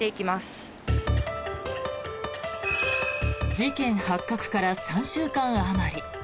事件発覚から３週間あまり。